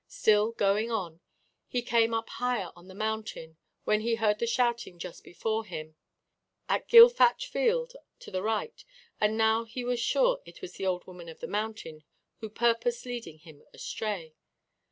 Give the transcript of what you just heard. Still going on, he came up higher on the mountain, when he heard the shouting just before him, at Gilfach fields, to the right and now he was sure it was the Old Woman of the Mountain, who purposed leading him astray.